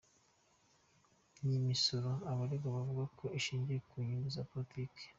Ni imisoro abaregwa bavuga ko ishingiye ku nyungu za politiki.